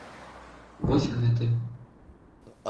Вось гэты.